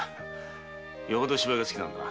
よほど芝居が好きなんだな。